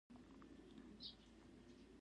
په تعلیمي ډګر کې وروسته پاتې هېوادونه وو.